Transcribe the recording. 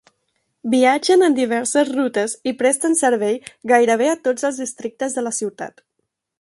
Viatgen en diverses rutes i presten servei gairebé a tots els districtes de la ciutat.